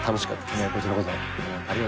ねっこちらこそ。